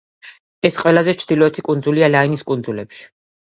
ეს ყველაზე ჩრდილოეთი კუნძულია ლაინის კუნძულებში.